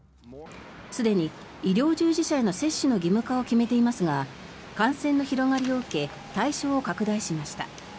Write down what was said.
すでに医療従事者への接種の義務化を決めていますが感染の広がりを受け対象を拡大しました。